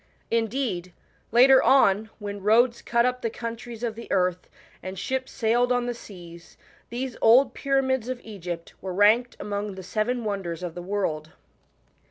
Indeed, later on, when roads cut up the countries of the earth, and ships sailed on the seas, these old pyramids of Egypt were ranked among the Seven Wonders of the World.